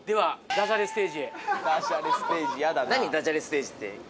ダジャレステージって。